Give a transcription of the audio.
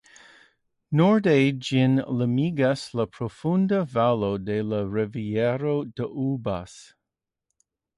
Norde ĝin limigas la profunda valo de la rivero Doubs.